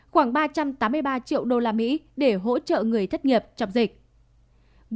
khoảng ba trăm tám mươi ba triệu đô la mỹ để hỗ trợ người thất nghiệp trong dịch